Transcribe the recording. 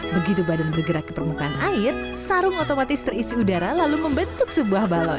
begitu badan bergerak ke permukaan air sarung otomatis terisi udara lalu membentuk sebuah balon